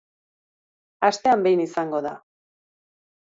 Astean behin izango da.